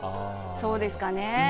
そうですかね。